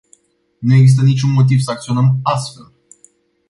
Nu există niciun motiv să acționăm astfel.